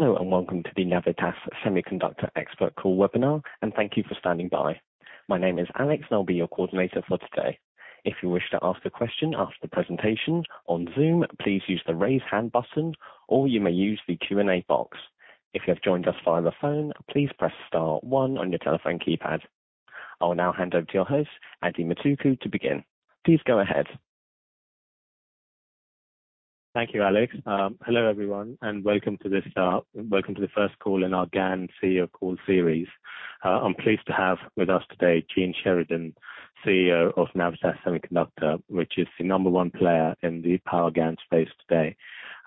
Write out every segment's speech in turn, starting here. Hello, and welcome to the Navitas Semiconductor expert call webinar, and thank you for standing by. My name is Alex, and I'll be your coordinator for today. If you wish to ask a question after the presentation on Zoom, please use the Raise Hand button or you may use the Q&A box. If you have joined us via the phone, please press star one on your telephone keypad. I will now hand over to your host, Adithya Metuku, to begin. Please go ahead. Thank you, Alex. Hello everyone, and welcome to the first call in our GaN CEO call series. I'm pleased to have with us today, Gene Sheridan, CEO of Navitas Semiconductor, which is the number one player in the Power GaN space today.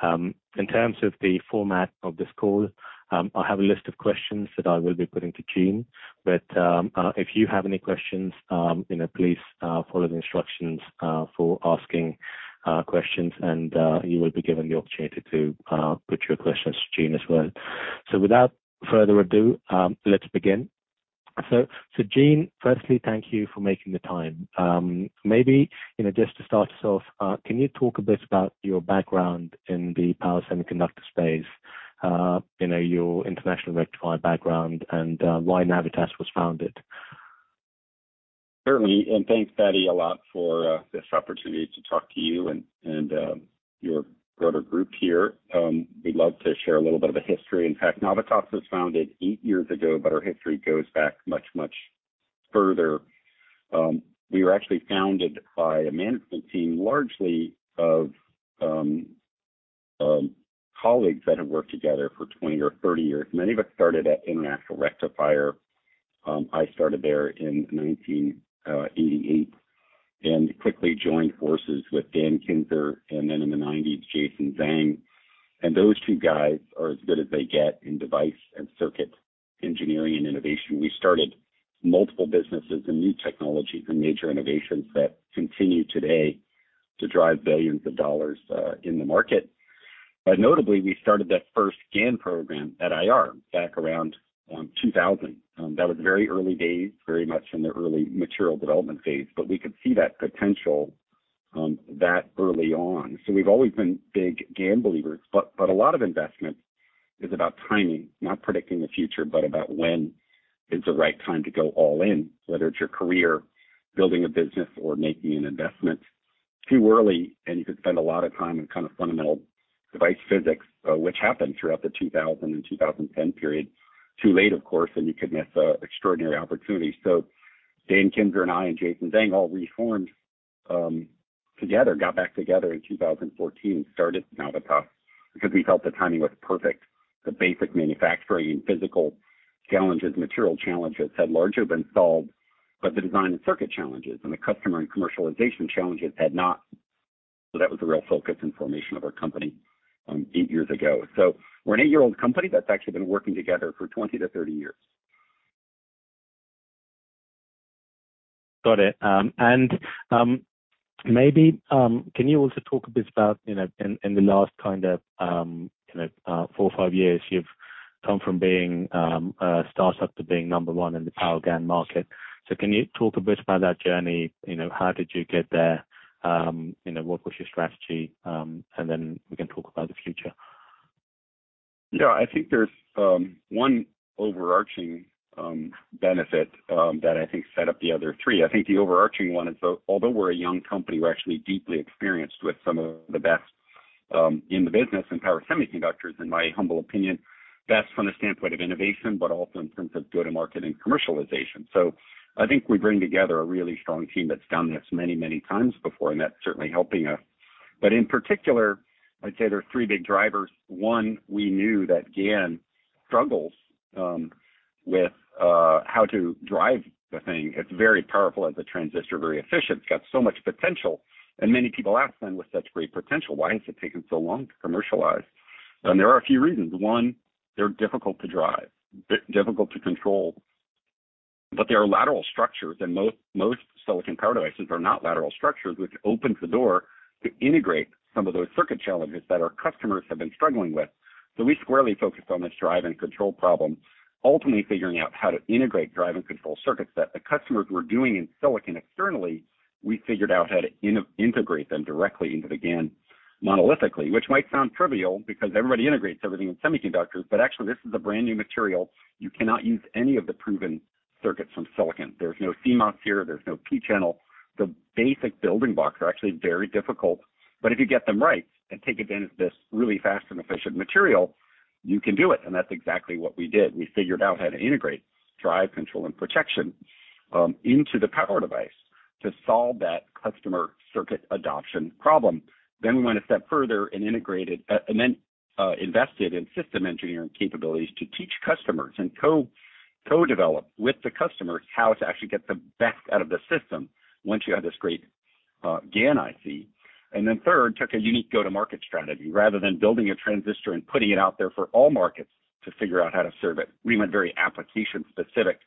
In terms of the format of this call, I have a list of questions that I will be putting to Gene, but if you have any questions, please follow the instructions for asking questions, and you will be given the opportunity to put your questions to Gene as well. Without further ado, let's begin. Gene, firstly, thank you for making the time. Maybe, just to start us off, can you talk a bit about your background in the power semiconductor space, your International Rectifier background and why Navitas was founded? Certainly, thanks, Adi, a lot for this opportunity to talk to you and your broader group here. We'd love to share a little bit of a history. In fact, Navitas was founded 8 years ago, but our history goes back much further. We were actually founded by a management team, largely of colleagues that have worked together for 20 or 30 years. Many of us started at International Rectifier. I started there in 1988 and quickly joined forces with Dan Kinzer and then in the 1990s, Jason Zhang. Those two guys are as good as they get in device and circuit engineering and innovation. We started multiple businesses and new technologies and major innovations that continue today to drive billions of dollars in the market. Notably, we started that first GaN program at IR back around 2000. That was very early days, very much in the early material development phase, but we could see that potential that early on. We've always been big GaN believers, but a lot of investment is about timing, not predicting the future, but about when is the right time to go all in, whether it's your career, building a business or making an investment. Too early, and you could spend a lot of time in kind of fundamental device physics, which happened throughout the 2000 and 2010 period. Too late, of course, and you could miss extraordinary opportunities. Dan Kinzer and I and Jason Zhang all reformed together, got back together in 2014, started Navitas because we felt the timing was perfect. The basic manufacturing and physical challenges, material challenges had largely been solved, but the design and circuit challenges and the customer and commercialization challenges had not. That was the real focus in formation of our company, 8 years ago. We're an 8-year-old company that's actually been working together for 20-30 years. Got it, maybe can you also talk a bit about, you know, in the last kind of, you know, 4 or 5 years you've come from being a startup to being number one in the Power GaN market. Can you talk a bit about that journey? How did you get there? You know, what was your strategy? Then we can talk about the future. Yeah. I think there's one overarching benefit that I think set up the other three. I think the overarching one is although we're a young company, we're actually deeply experienced with some of the best in the business in power semiconductors, in my humble opinion. Best from the standpoint of innovation, but also in terms of go-to-market and commercialization. I think we bring together a really strong team that's done this many, many times before, and that's certainly helping us. In particular, I'd say there are three big drivers. One, we knew that GaN struggles with how to drive the thing. It's very powerful as a transistor, very efficient. It's got so much potential. Many people ask then, "With such great potential, why has it taken so long to commercialize?" There are a few reasons. 1, they're difficult to drive, difficult to control. They are lateral structures, and most silicon power devices are not lateral structures, which opens the door to integrate some of those circuit challenges that our customers have been struggling with. We squarely focused on this drive and control problem, ultimately figuring out how to integrate drive and control circuits that the customers were doing in silicon externally, we figured out how to integrate them directly into the GaN monolithically. Which might sound trivial because everybody integrates everything in semiconductors, but actually this is a brand-new material. You cannot use any of the proven circuits from silicon. There's no CMOS here, there's no P-channel. The basic building blocks are actually very difficult. If you get them right and take advantage of this really fast and efficient material, you can do it, and that's exactly what we did. We figured out how to integrate, drive, control and protection into the power device to solve that customer circuit adoption problem. We went a step further and integrated and invested in system engineering capabilities to teach customers and co-develop with the customers how to actually get the best out of the system once you have this great GaN IC. Third, took a unique go-to-market strategy. Rather than building a transistor and putting it out there for all markets to figure out how to serve it, we went very application specific,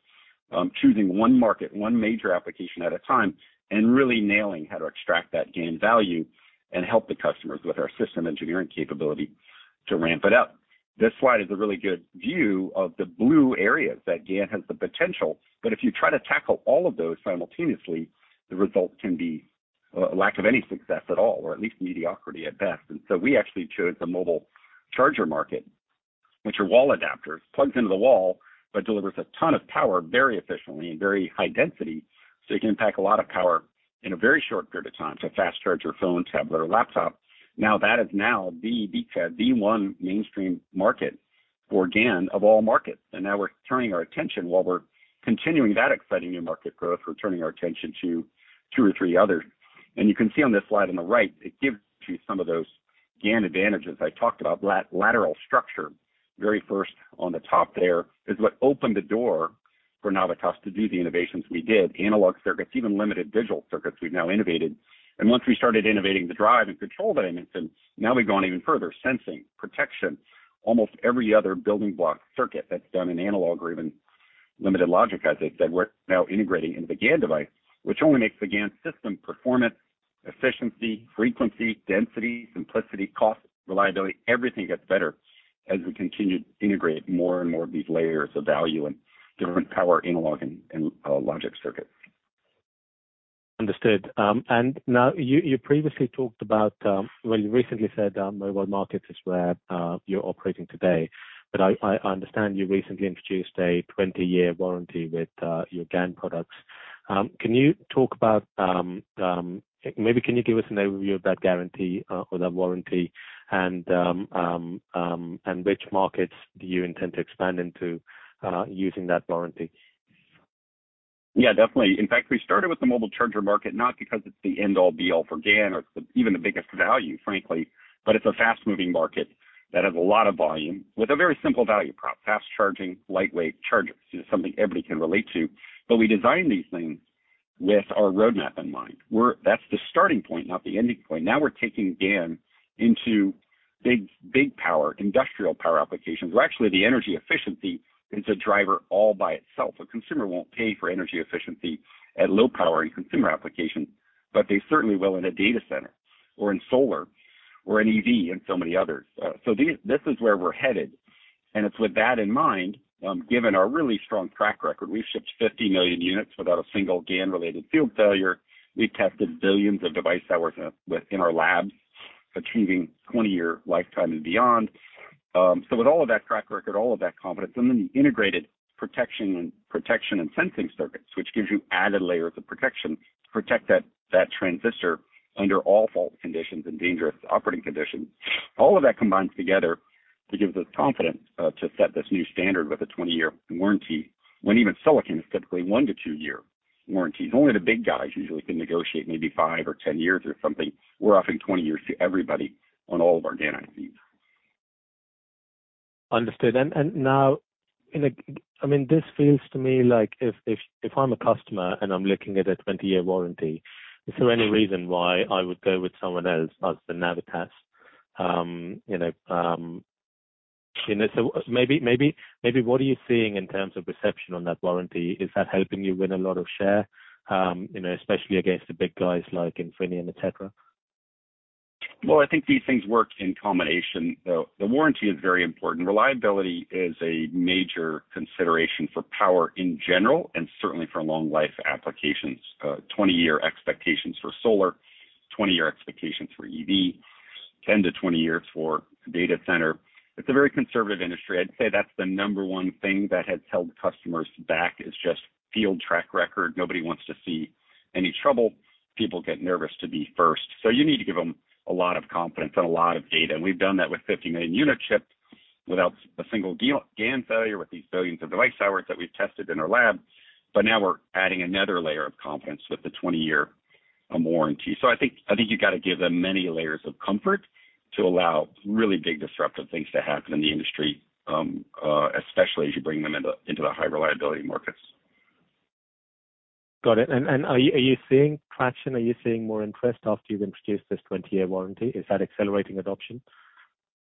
choosing one market, one major application at a time, and really nailing how to extract that GaN value and help the customers with our system engineering capability to ramp it up. This slide is a really good view of the blue areas that GaN has the potential, but if you try to tackle all of those simultaneously, the result can be a lack of any success at all, or at least mediocrity at best. We actually chose the mobile charger market, which are wall adapters, plugs into the wall, but delivers a ton of power very efficiently and very high density. You can pack a lot of power in a very short period of time to fast charge your phone, tablet, or laptop. Now, that is the one mainstream market for GaN of all markets. Now we're turning our attention while we're continuing that exciting new market growth to two or three others. You can see on this slide on the right, it gives you some of those GaN advantages I talked about. Lateral structure, very first on the top there is what opened the door for Navitas to do the innovations we did. Analog circuits, even limited digital circuits we've now innovated. Once we started innovating the drive and control dynamics, and now we've gone even further, sensing, protection, almost every other building block circuit that's done in analog or even limited logic, as I said, we're now integrating into the GaN device, which only makes the GaN system performance, efficiency, frequency, density, simplicity, cost, reliability. Everything gets better as we continue to integrate more and more of these layers of value and different power analog and logic circuits. Understood. Now you previously talked about, well, you recently said, mobile market is where you're operating today, but I understand you recently introduced a 20-year warranty with your GaN products. Maybe can you give us an overview of that guarantee or that warranty and which markets do you intend to expand into using that warranty? Yeah, definitely. In fact, we started with the mobile charger market, not because it's the end all be all for GaN or even the biggest value, frankly, but it's a fast-moving market that has a lot of volume with a very simple value prop, fast charging, lightweight chargers. This is something everybody can relate to. We design these things with our roadmap in mind. That's the starting point, not the ending point. Now we're taking GaN into big, big power, industrial power applications, where actually the energy efficiency is a driver all by itself. A consumer won't pay for energy efficiency at low power in consumer application, but they certainly will in a data center or in solar or an EV and so many others. This is where we're headed. It's with that in mind, given our really strong track record, we've shipped 50 million units without a single GaN-related field failure. We've tested billions of device hours within our labs, achieving 20-year lifetime and beyond. With all of that track record, all of that confidence, and then the integrated protection and sensing circuits, which gives you added layers of protection, protect that transistor under all fault conditions and dangerous operating conditions. All of that combines together to give us confidence to set this new standard with a 20-year warranty when even silicon is typically 1-2 year warranty. Only the big guys usually can negotiate maybe 5 or 10 years or something. We're offering 20 years to everybody on all of our GaN ICs. Understood. Now, I mean, this feels to me like if I'm a customer and I'm looking at a 20-year warranty, is there any reason why I would go with someone else other than Navitas? You know, maybe what are you seeing in terms of reception on that warranty? Is that helping you win a lot of share, especially against the big guys like Infineon, et cetera? Well, I think these things work in combination. The warranty is very important. Reliability is a major consideration for power in general, and certainly for long life applications, 20-year expectations for solar, 20-year expectations for EV, 10-20 years for data center. It's a very conservative industry. I'd say that's the number one thing that has held customers back is just field track record. Nobody wants to see any trouble. People get nervous to be first. You need to give them a lot of confidence and a lot of data. We've done that with 50 million units shipped without a single field GaN failure with these billions of device hours that we've tested in our lab. Now we're adding another layer of confidence with the 20-year warranty. I think you got to give them many layers of comfort to allow really big disruptive things to happen in the industry, especially as you bring them into the high reliability markets. Got it. Are you seeing traction? Are you seeing more interest after you've introduced this 20-year warranty? Is that accelerating adoption?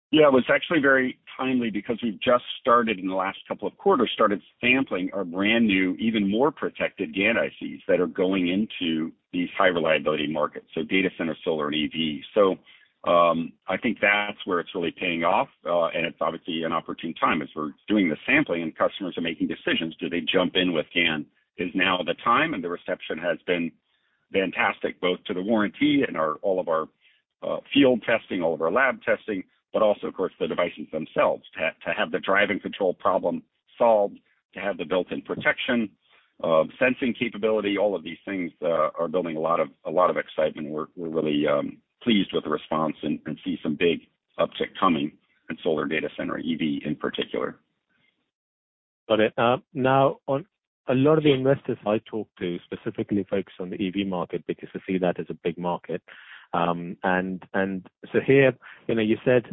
Yeah. It was actually very timely because we've just started in the last couple of quarters, started sampling our brand new, even more protected GaN ICs that are going into these high reliability markets, so data center, solar and EV. I think that's where it's really paying off. It's obviously an opportune time as we're doing the sampling and customers are making decisions. Do they jump in with GaN? Is now the time? The reception has been fantastic, both to the warranty and all of our field testing, all of our lab testing, but also of course the devices themselves. To have the drive and control problem solved, to have the built-in protection, sensing capability, all of these things are building a lot of excitement. We're really pleased with the response and see some big uptick coming in solar data center EV in particular. Got it. Now on a lot of the investors I talk to specifically focus on the EV market because they see that as a big market. You said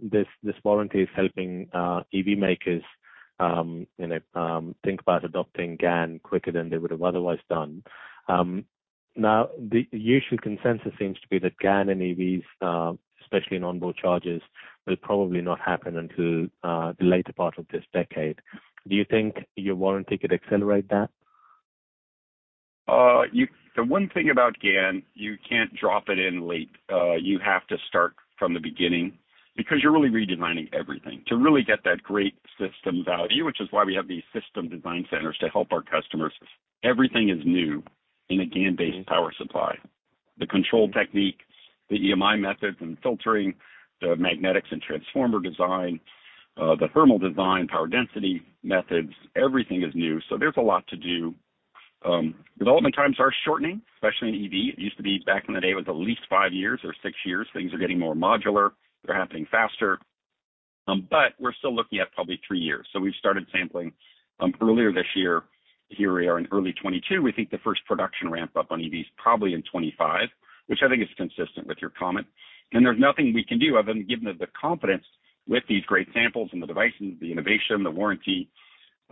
this warranty is helping EV makers, you know, think about adopting GaN quicker than they would have otherwise done. Now the usual consensus seems to be that GaN and EVs, especially in onboard chargers, will probably not happen until the later part of this decade. Do you think your warranty could accelerate that? The one thing about GaN, you can't drop it in late. You have to start from the beginning. Because you're really redesigning everything to really get that great system value, which is why we have these system design centers to help our customers. Everything is new in a GaN-based power supply, the control techniques, the EMI methods and filtering, the magnetics and transformer design, the thermal design, power density methods, everything is new, so there's a lot to do. Development times are shortening, especially in EV. It used to be back in the day, it was at least five years or six years. Things are getting more modular. They're happening faster. We're still looking at probably three years, so we started sampling earlier this year. Here we are in early 2022. We think the first production ramp-up on EV is probably in 2025, which I think is consistent with your comment. There's nothing we can do other than giving them the confidence with these great samples and the devices, the innovation, the warranty,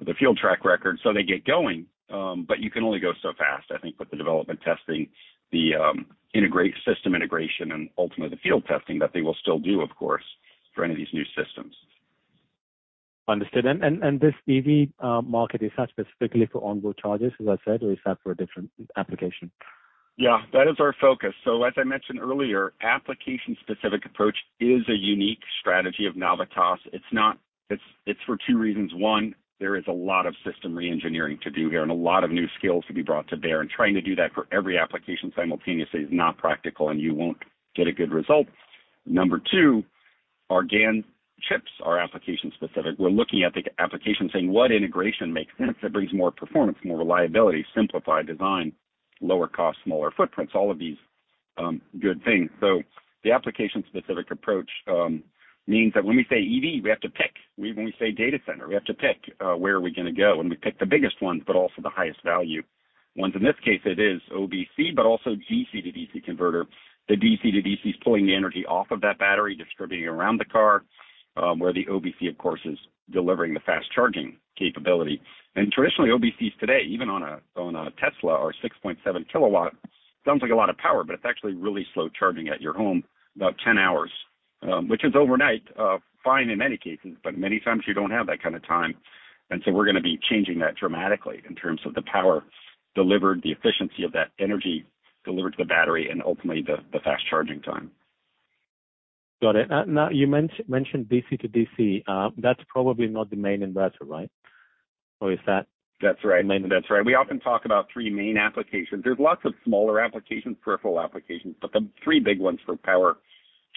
the field track record. They get going, but you can only go so fast, I think, with the development testing, the system integration and ultimately the field testing that they will still do, of course, for any of these new systems. Understood. This EV market, is that specifically for onboard chargers, as I said, or is that for a different application? Yeah, that is our focus. As I mentioned earlier, application-specific approach is a unique strategy of Navitas. It's for two reasons. One, there is a lot of system reengineering to do here and a lot of new skills to be brought to bear, and trying to do that for every application simultaneously is not practical, and you won't get a good result. Number two, our GaN chips are application-specific. We're looking at the application saying what integration makes sense that brings more performance, more reliability, simplify design, lower cost, smaller footprints, all of these, good things. The application-specific approach means that when we say EV, we have to pick. When we say data center, we have to pick where are we gonna go, and we pick the biggest ones, but also the highest value ones. In this case it is OBC, but also DC-to-DC converter. The DC-to-DC is pulling the energy off of that battery, distributing around the car, where the OBC, of course, is delivering the fast charging capability. Traditionally, OBCs today, even on a Tesla or 6.7 kW, sounds like a lot of power, but it's actually really slow charging at your home, about 10 hours, which is overnight, fine in many cases, but many times you don't have that kind of time. We're gonna be changing that dramatically in terms of the power delivered, the efficiency of that energy delivered to the battery, and ultimately the fast charging time. Got it. Now, you mentioned DC-to-DC. That's probably not the main inverter, right? Or is that? That's right. Main inverter. That's right. We often talk about three main applications. There's lots of smaller applications, peripheral applications, but the three big ones for power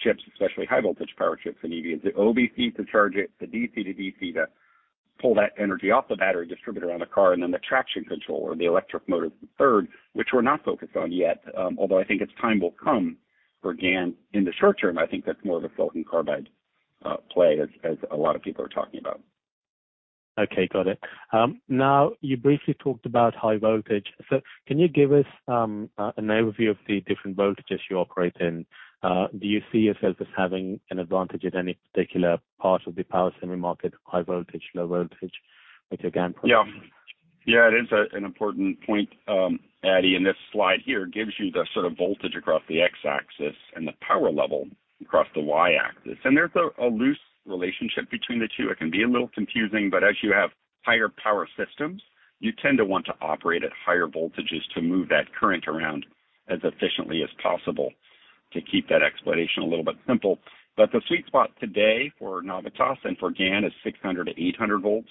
chips, especially high voltage power chips in EVs, the OBC to charge it, the DC to DC to pull that energy off the battery distributor on the car, and then the traction control or the electric motor third, which we're not focused on yet, although I think it's time will come for GaN. In the short term, I think that's more of a silicon carbide play as a lot of people are talking about. Okay, got it. Now you briefly talked about high voltage. Can you give us an overview of the different voltages you operate in? Do you see yourself as having an advantage at any particular part of the power semi market, high voltage, low voltage with your GaN products? Yeah. Yeah, it is an important point, Adi. This slide here gives you the sort of voltage across the X-axis and the power level across the Y-axis. There's a loose relationship between the two. It can be a little confusing, but as you have higher power systems, you tend to want to operate at higher voltages to move that current around as efficiently as possible to keep that explanation a little bit simple. The sweet spot today for Navitas and for GaN is 600-800 volts.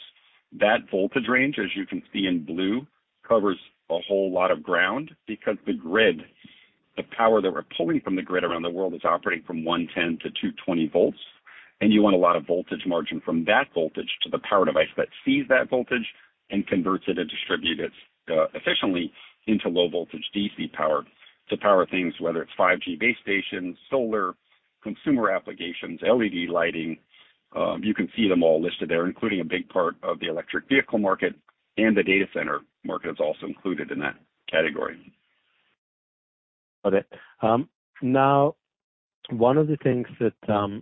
That voltage range, as you can see in blue, covers a whole lot of ground because the grid, the power that we're pulling from the grid around the world is operating from 110-220 volts, and you want a lot of voltage margin from that voltage to the power device that sees that voltage and converts it and distribute it efficiently into low voltage DC power to power things, whether it's 5G base stations, solar, consumer applications, LED lighting. You can see them all listed there, including a big part of the electric vehicle market and the data center market is also included in that category. Got it. Now one of the things that,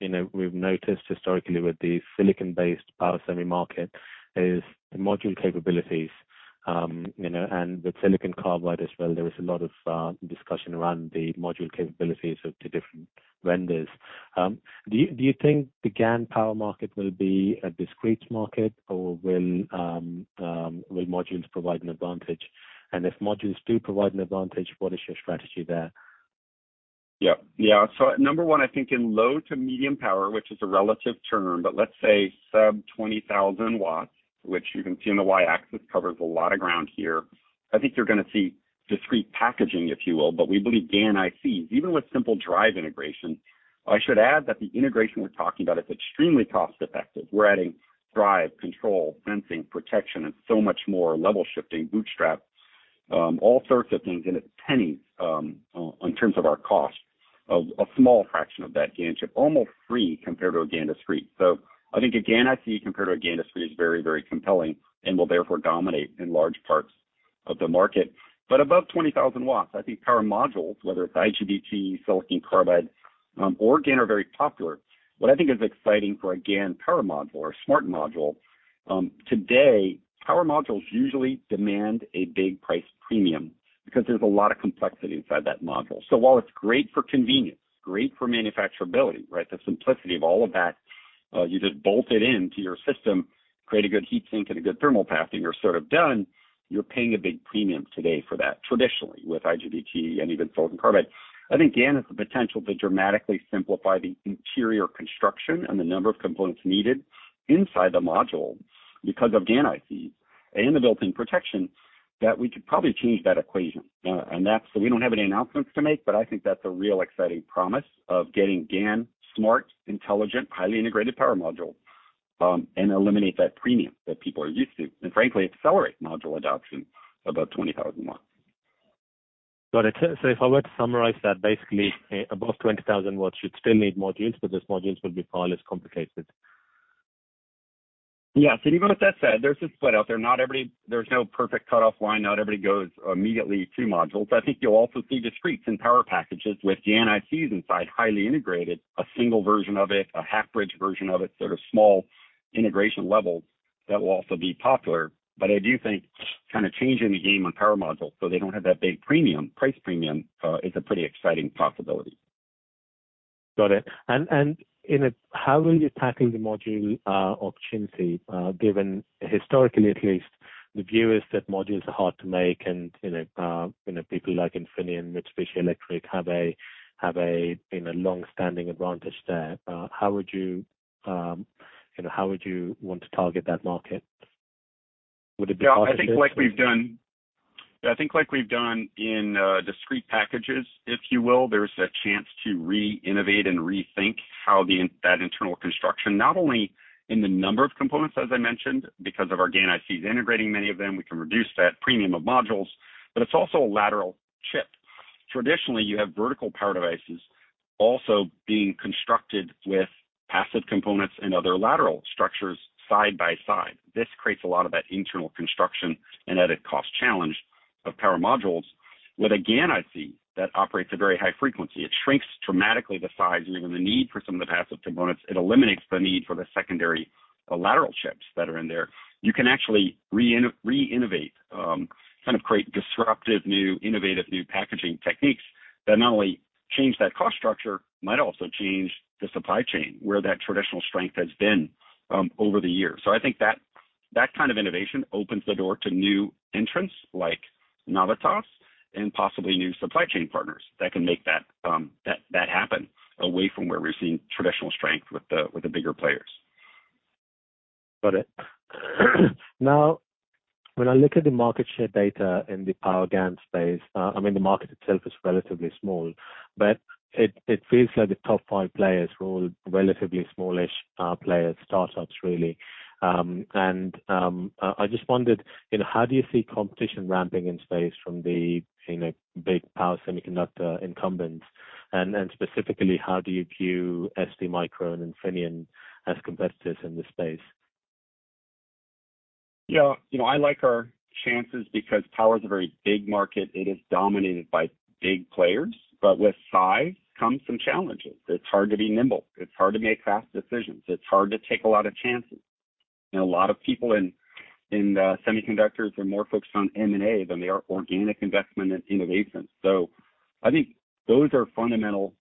you know, we've noticed historically with the silicon-based power semi market is the module capabilities. With silicon carbide as well, there is a lot of discussion around the module capabilities of the different vendors. Do you think the GaN power market will be a discrete market or will modules provide an advantage? If modules do provide an advantage, what is your strategy there? Yeah. Number one, I think in low to medium power, which is a relative term, but let's say sub 20,000 watts, which you can see on the Y-axis, covers a lot of ground here. I think you're gonna see discrete packaging, if you will, but we believe GaN IC, even with simple drive integration. I should add that the integration we're talking about is extremely cost-effective. We're adding drive, control, sensing, protection and so much more, level shifting, bootstrap, all sorts of things in at pennies, in terms of our cost of a small fraction of that GaN chip, almost free compared to a GaN discrete. I think a GaN IC compared to a GaN discrete is very, very compelling and will therefore dominate in large parts of the market. Above 20,000 watts, I think power modules, whether it's IGBT, silicon carbide, or GaN are very popular. What I think is exciting for a GaN power module or a smart module, today power modules usually demand a big price premium because there's a lot of complexity inside that module. While it's great for convenience, great for manufacturability, right? The simplicity of all of that, you just bolt it into your system, create a good heat sink and a good thermal path, and you're sort of done. You're paying a big premium today for that. Traditionally, with IGBT and even silicon carbide, I think GaN has the potential to dramatically simplify the interior construction and the number of components needed inside the module because of GaN ICs and the built-in protection that we could probably change that equation. We don't have any announcements to make, but I think that's a real exciting promise of getting GaN smart, intelligent, highly integrated power module, and eliminate that premium that people are used to and frankly accelerate module adoption above 20,000 watts. Got it. If I were to summarize that basically above 20,000 watts, you'd still need modules, but those modules would be far less complicated. Yes. Even with that said, there's a split out there. There's no perfect cut-off line. Not everybody goes immediately to modules. I think you'll also see discretes in power packages with GaN ICs inside, highly integrated, a single version of it, a half-bridge version of it, sort of small integration levels that will also be popular. I do think kind of changing the game on power modules so they don't have that big premium, price premium, is a pretty exciting possibility. Got it. How will you tackle the module opportunity, given historically at least, the view is that modules are hard to make. People like Infineon, Mitsubishi Electric have a you know, long-standing advantage there. How would you want to target that market? Would it be positive- Yeah, I think like we've done in discrete packages, if you will, there's a chance to reinnovate and rethink how that internal construction, not only in the number of components, as I mentioned, because of our GaN ICs integrating many of them, we can reduce that premium of modules, but it's also a lateral shift. Traditionally, you have vertical power devices also being constructed with passive components and other lateral structures side by side. This creates a lot of that internal construction and added cost challenge of power modules. With a GaN IC that operates a very high frequency, it shrinks dramatically the size and even the need for some of the passive components. It eliminates the need for the secondary lateral shifts that are in there. You can actually reinnovate, kind of create disruptive, new, innovative, new packaging techniques that not only change that cost structure, might also change the supply chain, where that traditional strength has been, over the years. I think that kind of innovation opens the door to new entrants like Navitas and possibly new supply chain partners that can make that happen away from where we're seeing traditional strength with the bigger players. Got it. Now, when I look at the market share data in the power GaN space, I mean, the market itself is relatively small, but it feels like the top five players were all relatively smallish players, startups, really. I just wondered, you know, how do you see competition ramping in space from the, big power semiconductor incumbents? Specifically, how do you view STMicroelectronics and Infineon as competitors in this space? Yeah. I like our chances because power is a very big market. It is dominated by big players, but with size comes some challenges. It's hard to be nimble. It's hard to make fast decisions. It's hard to take a lot of chances. A lot of people in semiconductors are more focused on M&A than they are organic investment and innovation. I think those are fundamental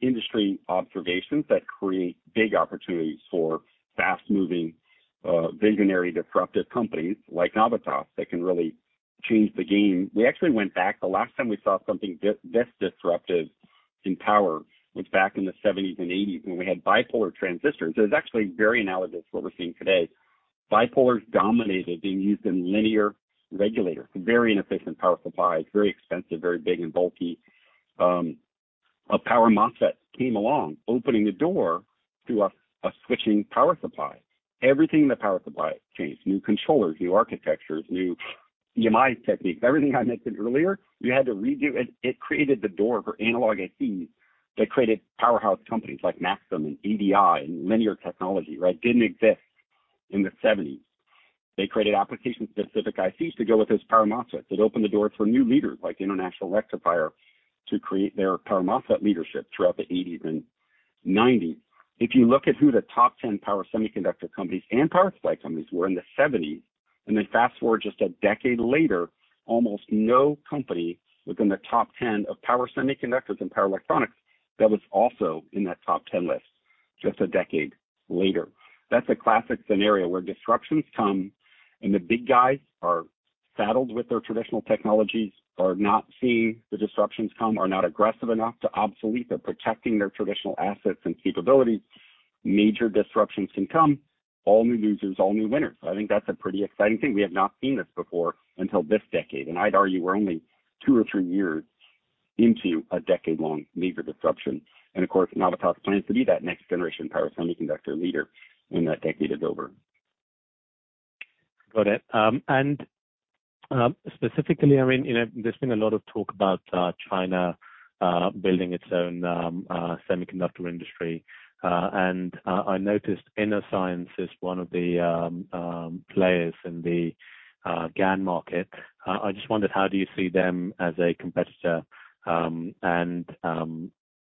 industry observations that create big opportunities for fast-moving visionary, disruptive companies like Navitas that can really change the game. We actually went back. The last time we saw something this disruptive in power was back in the seventies and eighties when we had bipolar transistors. It was actually very analogous to what we're seeing today. Bipolars dominated being used in linear regulators, very inefficient power supply. It's very expensive, very big and bulky. A power MOSFET came along, opening the door to a switching power supply. Everything in the power supply changed. New controllers, new architectures, new EMI techniques. Everything I mentioned earlier, you had to redo it. It created the door for analog ICs that created powerhouse companies like Maxim and ADI and Linear Technology, right? Didn't exist in the seventies. They created application-specific ICs to go with those power MOSFETs. It opened the door for new leaders like International Rectifier to create their power MOSFET leadership throughout the eighties and nineties. If you look at who the top 10 power semiconductor companies and power supply companies were in the seventies, and then fast-forward just a decade later, almost no company within the top 10 of power semiconductors and power electronics that was also in that top 10 list just a decade later. That's a classic scenario where disruptions come and the big guys are saddled with their traditional technologies, are not seeing the disruptions come, are not aggressive enough to obsolete. They're protecting their traditional assets and capabilities. Major disruptions can come. All new losers, all new winners. I think that's a pretty exciting thing. We have not seen this before until this decade, and I'd argue we're only two or three years into a decade-long major disruption. Of course, Navitas plans to be that next-generation power semiconductor leader when that decade is over. Got it. Specifically, I mean, you know, there's been a lot of talk about China building its own semiconductor industry. I noticed Innoscience is one of the players in the GaN market. I just wondered how do you see them as a competitor?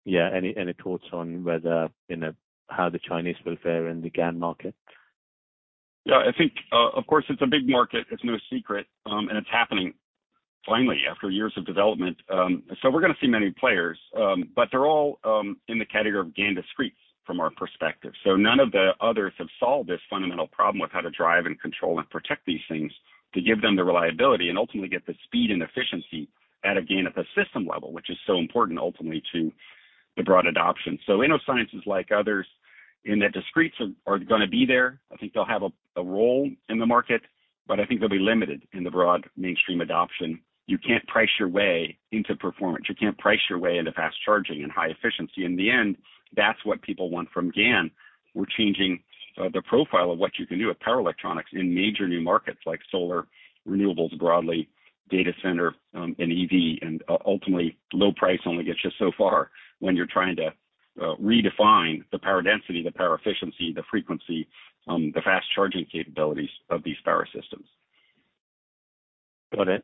Yeah, any thoughts on whether, how the Chinese will fare in the GaN market? Yeah, I think, of course, it's a big market, it's no secret, and it's happening finally after years of development. We're gonna see many players, but they're all in the category of GaN discretes from our perspective. None of the others have solved this fundamental problem with how to drive and control and protect these things, to give them the reliability and ultimately get the speed and efficiency at a GaN at the system level, which is so important ultimately to the broad adoption. Innoscience is like others in that discretes are gonna be there. I think they'll have a role in the market, but I think they'll be limited in the broad mainstream adoption. You can't price your way into performance. You can't price your way into fast charging and high efficiency. In the end, that's what people want from GaN. We're changing the profile of what you can do with power electronics in major new markets like solar renewables, broadly, data center, and EV. Ultimately low price only gets you so far when you're trying to redefine the power density, the power efficiency, the frequency, the fast charging capabilities of these power systems. Got it.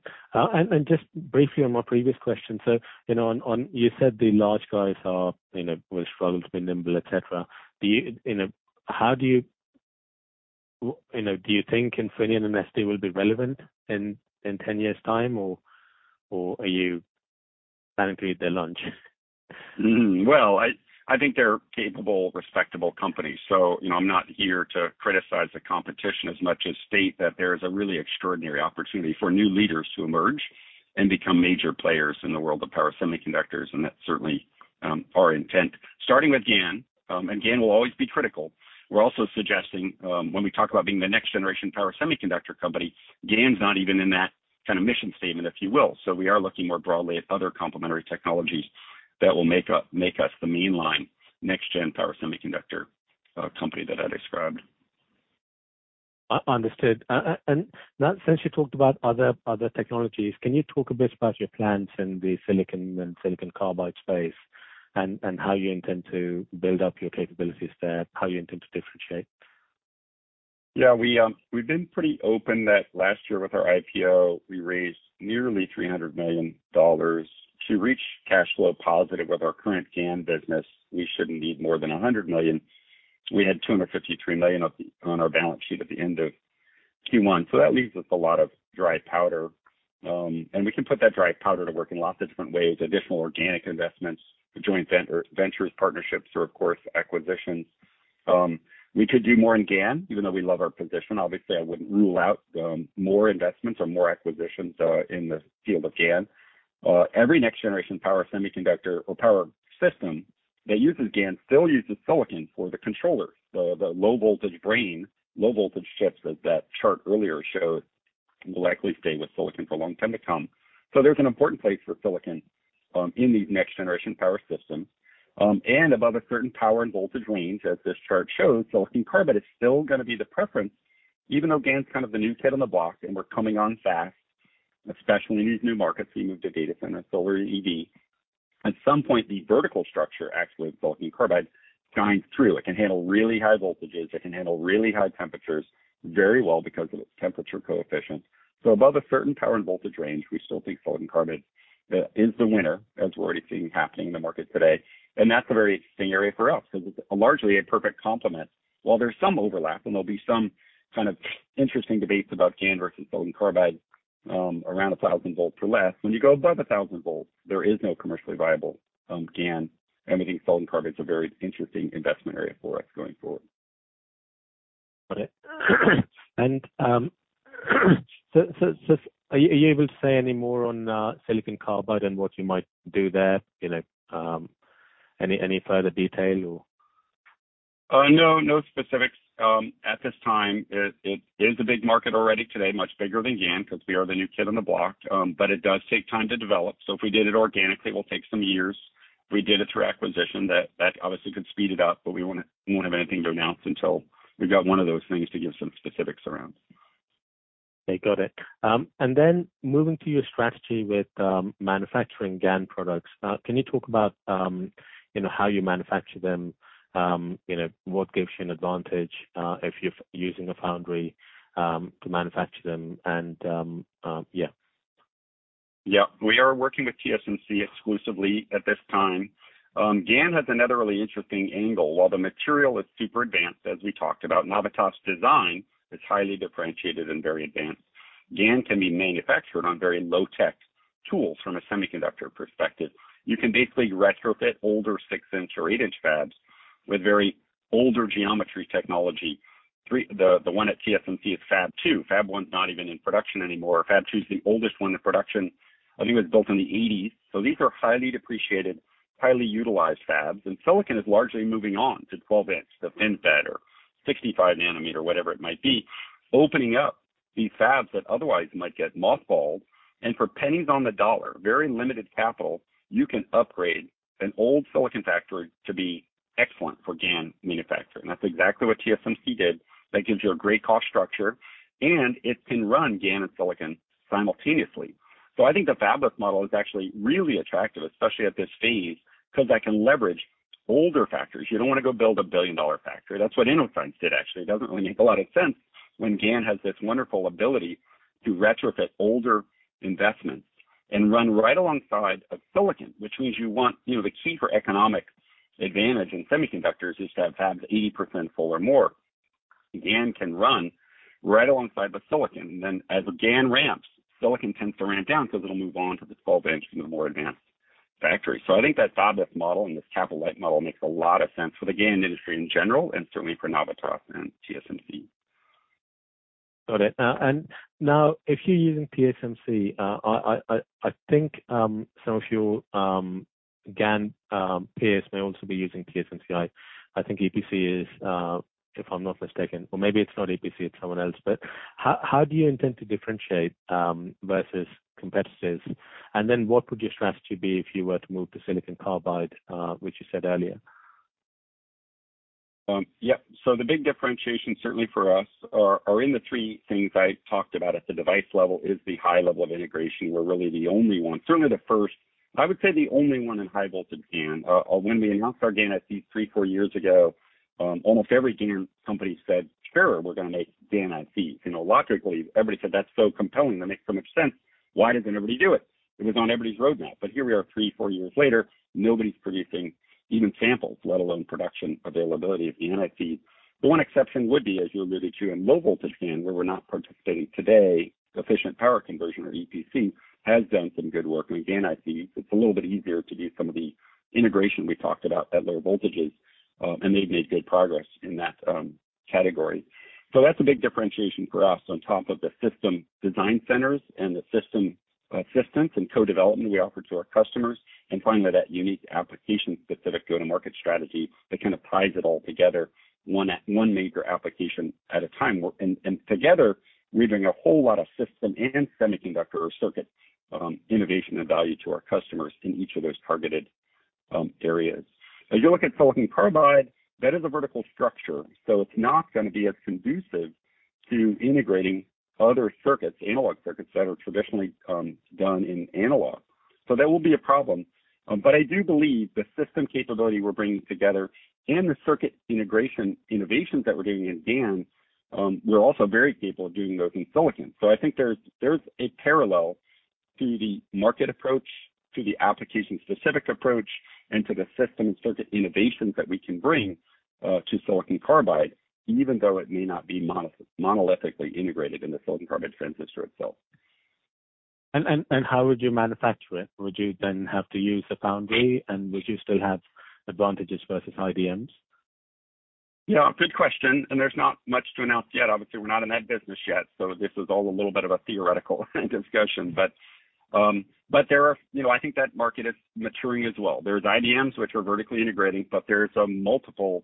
Just briefly on my previous question. On you said the large guys are, you know, will struggle to be nimble, et cetera. Do you think Infineon and ST will be relevant in ten years' time or are you planning to eat their lunch? Well, I think they're capable, respectable companies. I'm not here to criticize the competition as much as state that there is a really extraordinary opportunity for new leaders to emerge and become major players in the world of power semiconductors, and that's certainly our intent. Starting with GaN, and GaN will always be critical. We're also suggesting, when we talk about being the next generation power semiconductor company, GaN's not even in that kind of mission statement, if you will. We are looking more broadly at other complementary technologies that will make us the mainline next gen power semiconductor company that I described. Understood. Now since you talked about other technologies, can you talk a bit about your plans in the silicon and silicon carbide space, and how you intend to build up your capabilities there, how you intend to differentiate? Yeah. We've been pretty open that last year with our IPO, we raised nearly $300 million to reach cash flow positive. With our current GaN business, we shouldn't need more than $100 million. We had $253 million on our balance sheet at the end of Q1. That leaves us a lot of dry powder. We can put that dry powder to work in lots of different ways. Additional organic investments, joint venture, ventures, partnerships, or of course, acquisitions. We could do more in GaN, even though we love our position. Obviously, I wouldn't rule out more investments or more acquisitions in the field of GaN. Every next generation power semiconductor or power system that uses GaN still uses silicon for the controllers. Low voltage brain, low voltage chips, as that chart earlier showed, will likely stay with silicon for a long time to come. There's an important place for silicon in these next generation power systems. Above a certain power and voltage range, as this chart shows, silicon carbide is still gonna be the preference, even though GaN's kind of the new kid on the block, and we're coming on fast, especially in these new markets we move to data center, solar and EV. At some point, the vertical structure actually of silicon carbide shines through. It can handle really high voltages. It can handle really high temperatures very well because of its temperature coefficient. Above a certain power and voltage range, we still think silicon carbide is the winner, as we're already seeing happening in the market today. That's a very interesting area for us because it's largely a perfect complement. While there's some overlap, and there'll be some kind of interesting debates about GaN versus silicon carbide, around 1,000 volts or less, when you go above 1,000 volts, there is no commercially viable, GaN. We think silicon carbide is a very interesting investment area for us going forward. Got it. Are you able to say any more on silicon carbide and what you might do there? You know, any further detail or? No specifics at this time. It is a big market already today, much bigger than GaN because we are the new kid on the block. It does take time to develop. If we did it organically, it will take some years. If we did it through acquisition, that obviously could speed it up, but we won't have anything to announce until we've got one of those things to give some specifics around. Okay, got it. Then moving to your strategy with manufacturing GaN products. Can you talk about you know, how you manufacture them? You know, what gives you an advantage if you're using a foundry to manufacture them and yeah. Yeah. We are working with TSMC exclusively at this time. GaN has another really interesting angle. While the material is super advanced, as we talked about, Navitas' design is highly differentiated and very advanced. GaN can be manufactured on very low-tech tools from a semiconductor perspective. You can basically retrofit older 6-inch or 8-inch fabs with very old geometry technology. The one at TSMC is Fab Two. Fab One's not even in production anymore. Fab Two is the oldest one in production. I think it was built in the 1980s. These are highly depreciated, highly utilized fabs. Silicon is largely moving on to 12-inch, the FinFET or 65-nanometer, whatever it might be, opening up these fabs that otherwise might get mothballed. For pennies on the dollar, very limited capital, you can upgrade an old silicon factory to be excellent for GaN manufacturing. That's exactly what TSMC did. That gives you a great cost structure, and it can run GaN and silicon simultaneously. I think the fabless model is actually really attractive, especially at this phase, because I can leverage older factories. You don't wanna go build a billion-dollar factory. That's what Innoscience did, actually. It doesn't really make a lot of sense when GaN has this wonderful ability to retrofit older investments and run right alongside of silicon, which means you want. The key for economic advantage in semiconductors is to have fabs 80% full or more. The GaN can run right alongside the silicon. As the GaN ramps, silicon tends to ramp down because it'll move on to the smaller nodes in the more advanced factory. I think that fabless model and this capital light model makes a lot of sense for the GaN industry in general, and certainly for Navitas and TSMC. Got it. Now if you're using TSMC, I think some of your GaN peers may also be using TSMC. I think EPC is, if I'm not mistaken or maybe it's not EPC, it's someone else. How do you intend to differentiate versus competitors? What would your strategy be if you were to move to silicon carbide, which you said earlier? Yep. The big differentiation certainly for us are in the three things I talked about at the device level is the high level of integration. We're really the only one. Certainly the first, I would say the only one in high voltage GaN. When we announced our GaN IC 3-4 years ago, almost every GaN company said, "Sure, we're going to make GaN IC." You know, logically, everybody said, "That's so compelling. That makes so much sense. Why doesn't everybody do it?" It was on everybody's roadmap. Here we are, 3-4 years later, nobody's producing even samples, let alone production availability of the IC. The one exception would be, as you alluded to, in low voltage GaN, where we're not participating today, Efficient Power Conversion or EPC has done some good work in GaN IC. It's a little bit easier to do some of the integration we talked about at lower voltages, and they've made good progress in that category. That's a big differentiation for us on top of the system design centers and the system systems and co-development we offer to our customers. Finally, that unique application-specific go-to-market strategy that kind of ties it all together, one major application at a time. Together, we bring a whole lot of system and semiconductor or circuit innovation and value to our customers in each of those targeted areas. As you look at silicon carbide, that is a vertical structure, so it's not gonna be as conducive to integrating other circuits, analog circuits that are traditionally done in analog. That will be a problem. I do believe the system capability we're bringing together and the circuit integration innovations that we're doing in GaN, we're also very capable of doing those in silicon. I think there's a parallel to the market approach, to the application specific approach, and to the system circuit innovations that we can bring to silicon carbide, even though it may not be monolithically integrated in the silicon carbide transistor itself. How would you manufacture it? Would you then have to use a foundry, and would you still have advantages versus IDMs? Yeah, good question. There's not much to announce yet. Obviously, we're not in that business yet, so this is all a little bit of a theoretical discussion. I think that market is maturing as well. There's IDMs, which are vertically integrating, but there's multiple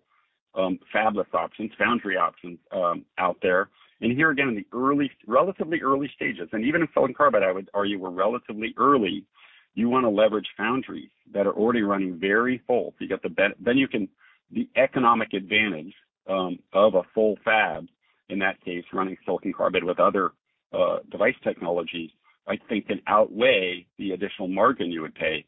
fabless options, foundry options out there. Here again, in the relatively early stages, and even in silicon carbide, I would argue we're relatively early. You want to leverage foundries that are already running very full. You get the economic advantage of a full fab, in that case, running silicon carbide with other device technologies. I think can outweigh the additional margin you would pay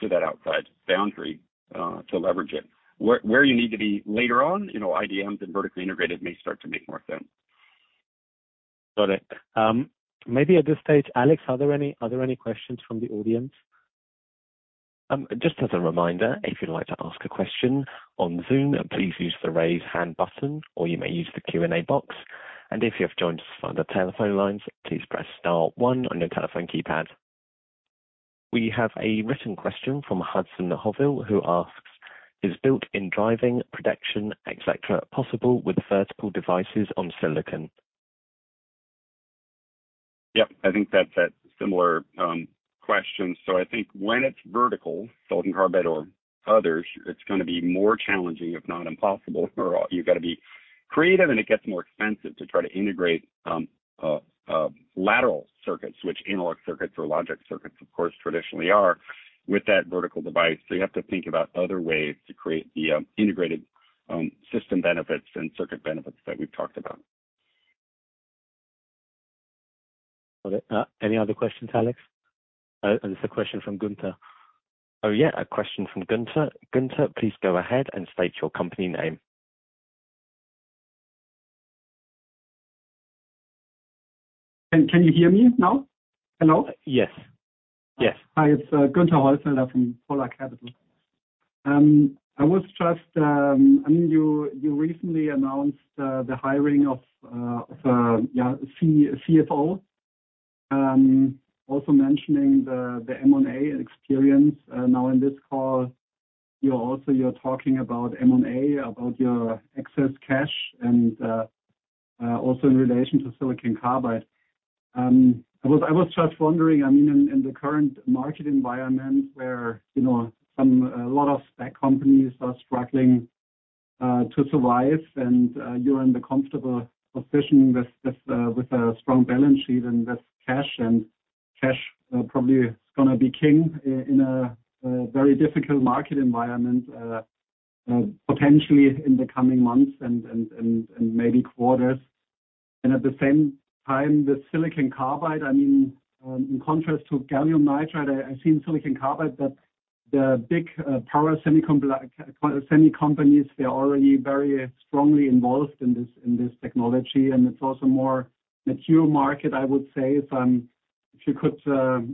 to that outside foundry to leverage it. Where you need to be later on, you know, IDMs and vertically integrated may start to make more sense. Got it. Maybe at this stage, Alex, are there any questions from the audience? Just as a reminder, if you'd like to ask a question on Zoom, please use the Raise Hand button, or you may use the Q&A box. If you have joined us on the telephone lines, please press star one on your telephone keypad. We have a written question from Hudson Hoville, who asks, "Is built-in driving protection, etc., possible with vertical devices on silicon? Yep. I think that's a similar question. I think when it's vertical, silicon carbide or others, it's gonna be more challenging, if not impossible. You got to be creative, and it gets more expensive to try to integrate lateral circuits, which analog circuits or logic circuits, of course, traditionally are with that vertical device. You have to think about other ways to create the integrated system benefits and circuit benefits that we've talked about. Got it. Any other questions, Alex? Oh, there's a question from Gunther. Oh, yeah, a question from Gunther. Gunther, please go ahead and state your company name. Can you hear me now? Hello? Yes. Yes. Hi, it's Gunther Holzheuer from Polar Capital. I mean, you recently announced the hiring of CFO, also mentioning the M&A experience. Now in this call, you're talking about M&A, about your excess cash and also in relation to silicon carbide. I was just wondering, I mean, in the current market environment where, you know, some, a lot of tech companies are struggling to survive, and you're in the comfortable position with a strong balance sheet and with cash, and cash probably is gonna be king in a very difficult market environment, potentially in the coming months and maybe quarters. At the same time, the silicon carbide, I mean, in contrast to gallium nitride, I've seen silicon carbide, but the big power semi companies, they're already very strongly involved in this technology. It's also a more mature market, I would say. If you could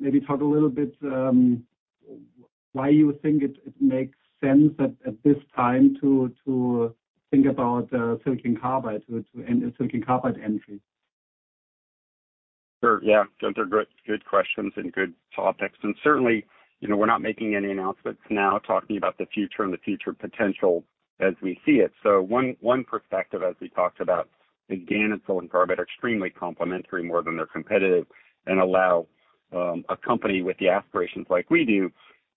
maybe talk a little bit why you think it makes sense at this time to think about silicon carbide with and the silicon carbide entry. Sure, yeah. Gunther, good questions and good topics. Certainly, we're not making any announcements now, talking about the future and the future potential as we see it. One perspective as we talked about, again, is silicon carbide are extremely complementary more than they're competitive, and allow a company with the aspirations like we do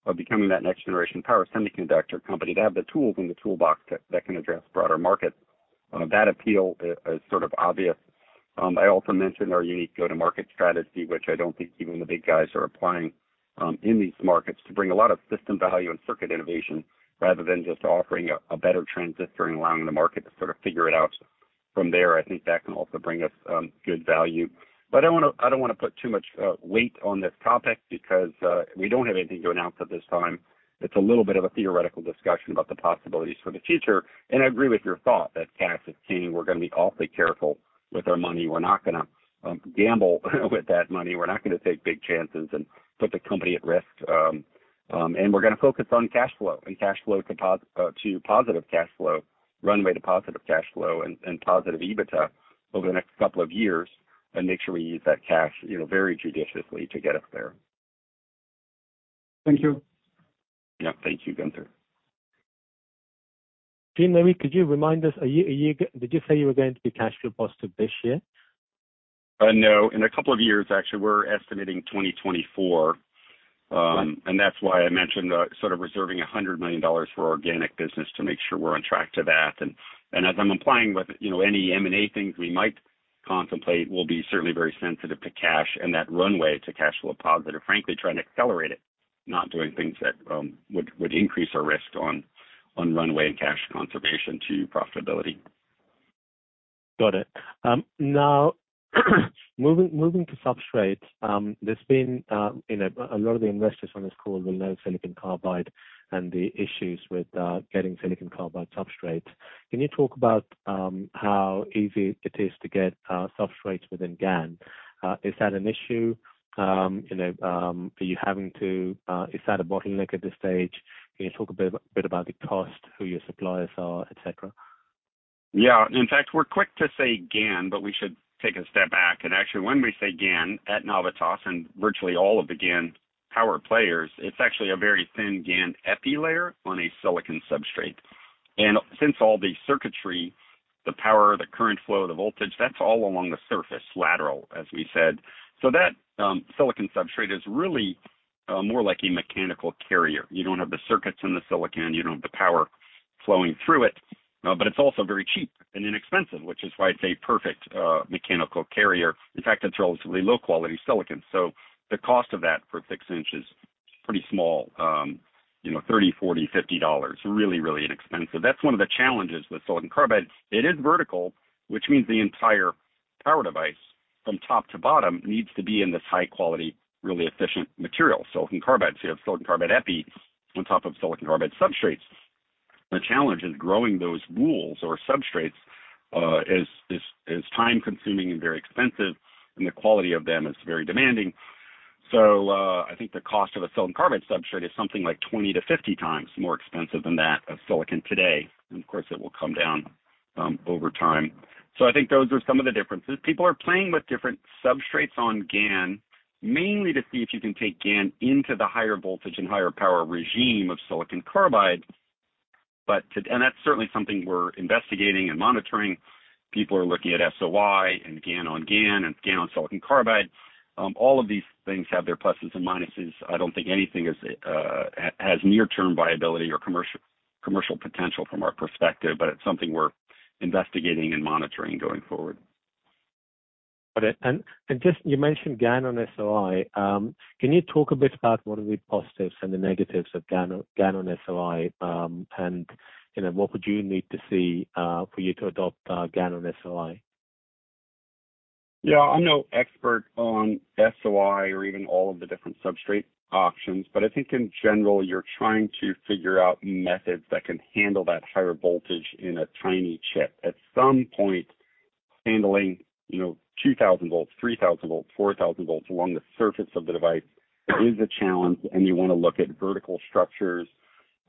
of becoming that next generation power semiconductor company to have the tools in the toolbox that can address broader markets. That appeal is sort of obvious. I also mentioned our unique go-to-market strategy, which I don't think even the big guys are applying in these markets to bring a lot of system value and circuit innovation rather than just offering a better transistor and allowing the market to sort of figure it out from there. I think that can also bring us good value. I don't wanna put too much weight on this topic because we don't have anything to announce at this time. It's a little bit of a theoretical discussion about the possibilities for the future, and I agree with your thought that cash is king. We're gonna be awfully careful with our money. We're not gonna gamble with that money. We're not gonna take big chances and put the company at risk. We're gonna focus on cash flow and cash flow to positive cash flow, runway to positive cash flow and positive EBITDA over the next couple of years, and make sure we use that cash, you know, very judiciously to get us there. Thank you. Yeah. Thank you, Gunther. Gene Sheridan, maybe could you remind us, did you say you were going to be cash flow positive this year? No. In a couple of years, actually. We're estimating 2024. That's why I mentioned sort of reserving $100 million for organic business to make sure we're on track to that. As I'm implying with, you know, any M&A things we might contemplate will be certainly very sensitive to cash and that runway to cash flow positive. Frankly, trying to accelerate it, not doing things that would increase our risk on runway and cash conservation to profitability. Got it. Now, moving to substrates, there's been, a lot of the investors on this call will know silicon carbide and the issues with getting silicon carbide substrates. Can you talk about how easy it is to get substrates within GaN? Is that an issue? You know, are you having to... Is that a bottleneck at this stage? Can you talk a bit about the cost, who your suppliers are, et cetera? Yeah. In fact, we're quick to say GaN, but we should take a step back. Actually, when we say GaN at Navitas and virtually all of the GaN power players, it's actually a very thin GaN epi layer on a silicon substrate. Since all the circuitry, the power, the current flow, the voltage, that's all along the surface, lateral, as we said. That silicon substrate is really more like a mechanical carrier. You don't have the circuits in the silicon, you don't have the power flowing through it, but it's also very cheap and inexpensive, which is why it's a perfect mechanical carrier. In fact, it's relatively low quality silicon, so the cost of that for 6-inch is pretty small, you know, $30, $40, $50. Really, really inexpensive. That's one of the challenges with silicon carbide. It is vertical, which means the entire power device from top to bottom needs to be in this high quality, really efficient material, silicon carbide. You have silicon carbide epi on top of silicon carbide substrates. The challenge is growing those wafers or substrates is time consuming and very expensive, and the quality of them is very demanding. I think the cost of a silicon carbide substrate is something like 20-50 times more expensive than that of silicon today. Of course, it will come down over time. I think those are some of the differences. People are playing with different substrates on GaN, mainly to see if you can take GaN into the higher voltage and higher power regime of silicon carbide. That's certainly something we're investigating and monitoring. People are looking at SOI and GaN-on-GaN and GaN-on-silicon carbide. All of these things have their pluses and minuses. I don't think anything has near-term viability or commercial potential from our perspective, but it's something we're investigating and monitoring going forward. Got it. Just, you mentioned GaN on SOI. Can you talk a bit about what are the positives and the negatives of GaN on SOI? What would you need to see for you to adopt GaN on SOI? Yeah. I'm no expert on SOI or even all of the different substrate options, but I think in general, you're trying to figure out methods that can handle that higher voltage in a tiny chip. At some point, handling, you know, 2,000 volts, 3,000 volts, 4,000 volts along the surface of the device is a challenge, and you wanna look at vertical structures,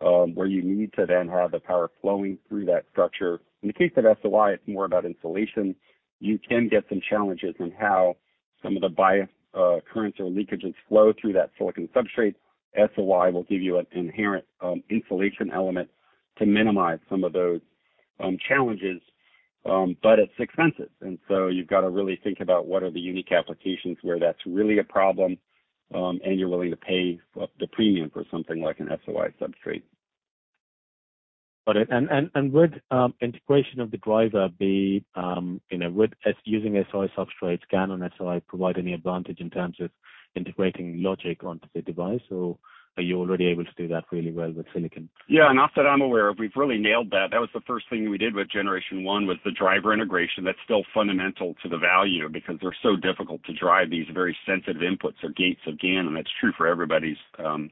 where you need to then have the power flowing through that structure. In the case of SOI, it's more about insulation. You can get some challenges in how some of the bias currents or leakages flow through that silicon substrate. SOI will give you an inherent insulation element to minimize some of those challenges. It's expensive, and so you've got to really think about what are the unique applications where that's really a problem, and you're willing to pay the premium for something like an SOI substrate. Got it. Would using SOI substrates, GaN on SOI provide any advantage in terms of integrating logic onto the device, or are you already able to do that really well with silicon? Yeah. Not that I'm aware of. We've really nailed that. That was the first thing we did with generation one, was the driver integration. That's still fundamental to the value because they're so difficult to drive these very sensitive inputs or gates of GaN, and that's true for everybody's GaN.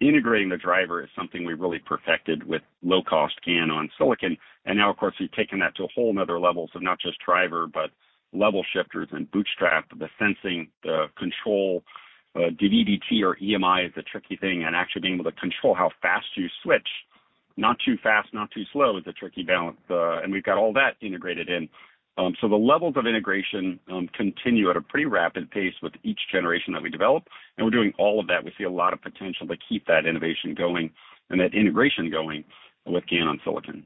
Integrating the driver is something we really perfected with low cost GaN on silicon. Now, of course, we've taken that to a whole nother level. Not just driver, but level shifters and bootstrap, the sensing, the control, DV/DT or EMI is a tricky thing, and actually being able to control how fast you switch, not too fast, not too slow, is a tricky balance. We've got all that integrated in. The levels of integration continue at a pretty rapid pace with each generation that we develop, and we're doing all of that. We see a lot of potential to keep that innovation going and that integration going with GaN on silicon.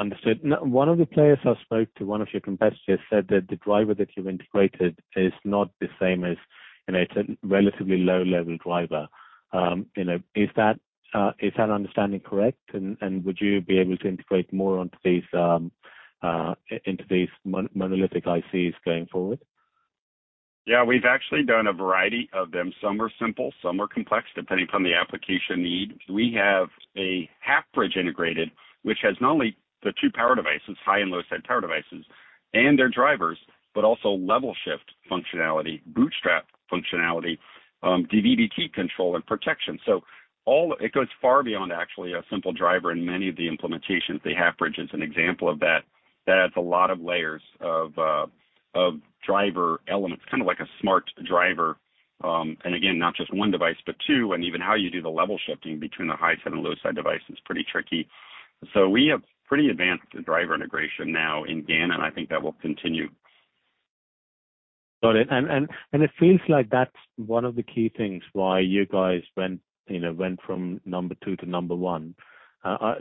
Understood. Now, one of the players I spoke to, one of your competitors, said that the driver that you've integrated is not the same as, you know, it's a relatively low level driver. You know, is that understanding correct? Would you be able to integrate more into these monolithic ICs going forward? Yeah, we've actually done a variety of them. Some are simple, some are complex, depending upon the application need. We have a half-bridge integrated, which has not only the two power devices, high and low side power devices and their drivers, but also level shift functionality, bootstrap functionality, DV/DT control and protection. It goes far beyond actually a simple driver in many of the implementations. The half-bridge is an example of that. That's a lot of layers of driver elements, kind of like a smart driver. Again, not just one device, but two. Even how you do the level shifting between the high side and low side device is pretty tricky. We have pretty advanced driver integration now in GaN, and I think that will continue. Got it. It feels like that's one of the key things why you guys went, from number two to number one.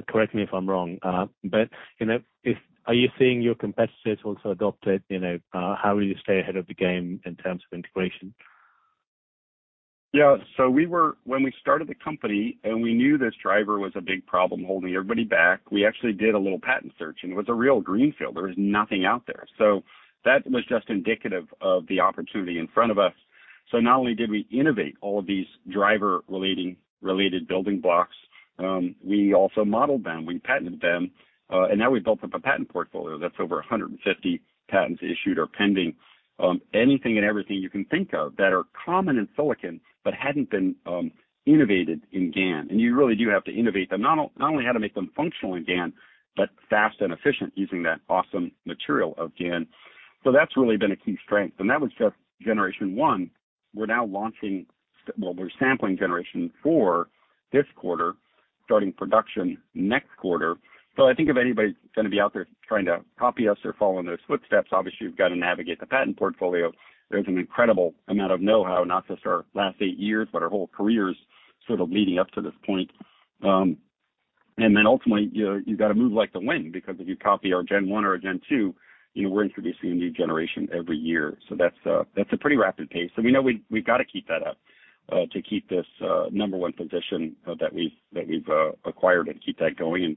Correct me if I'm wrong, but are you seeing your competitors also adopt it? You know, how will you stay ahead of the game in terms of integration? When we started the company and we knew this driver was a big problem holding everybody back, we actually did a little patent search, and it was a real greenfield. There was nothing out there. That was just indicative of the opportunity in front of us. Not only did we innovate all of these driver related building blocks, we also modeled them, we patented them, and now we've built up a patent portfolio that's over 150 patents issued or pending. Anything and everything you can think of that are common in silicon but hadn't been innovated in GaN. You really do have to innovate them, not only how to make them functional in GaN, but fast and efficient using that awesome material of GaN. That's really been a key strength. That was just generation 1. Well, we're sampling generation 4 this quarter, starting production next quarter. I think if anybody's gonna be out there trying to copy us or follow in those footsteps, obviously you've got to navigate the patent portfolio. There's an incredible amount of know-how, not just our last 8 years, but our whole careers sort of leading up to this point. Then ultimately, you know, you gotta move like the wind, because if you copy our Gen 1 or our Gen 2, we're introducing a new generation every year. That's a pretty rapid pace. We know we've got to keep that up to keep this number 1 position that we've acquired and keep that going and